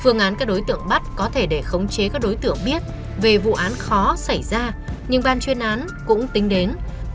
phương án các đối tượng bắt có thể để khống chế các đối tượng biết về vụ án khó xảy ra nhưng ban chuyên án cũng tính đến